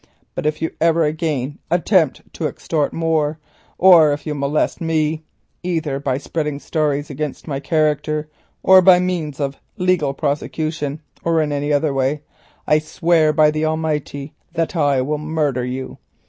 But if you ever again attempt to extort more, or if you molest me either by spreading stories against my character or by means of legal prosecution, or in any other way, I swear by the Almighty that I will murder you.